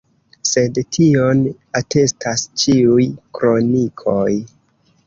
Sed tion atestas ĉiuj kronikoj.